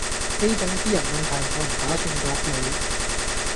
呢種私人問題我唔打算答你